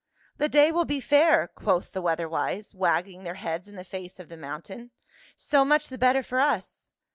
"The day will be fair," quoth the weather wise, wagging their heads in the face of the mountain. " So much the better for us."